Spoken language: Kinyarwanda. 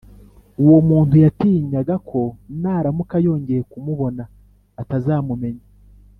Uwo muntu yatinyaga ko naramuka yongeye kumubona atazamumenya.